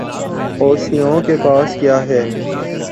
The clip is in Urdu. حوثیوں کے پاس کیا ہے؟